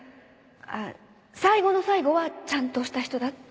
ああ最後の最後はちゃんとした人だって。